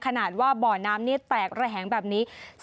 ขนาดว่าบ่อน้ำนี้แตกระแหงแบบนี้